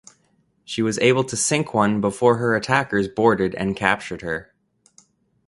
She was able to sink one before her attackers boarded and captured her.